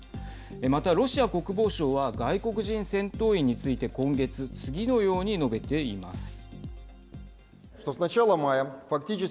また、ロシア国防省は外国人戦闘員について今月、次のように述べています。